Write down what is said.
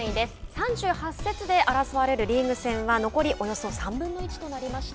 ３８節で争われるリーグ戦は残りおよそ３分の１となりました。